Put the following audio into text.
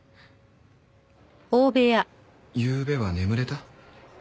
ゆうべは眠れた？